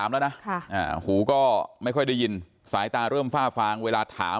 แล้วนะหูก็ไม่ค่อยได้ยินสายตาเริ่มฝ้าฟางเวลาถาม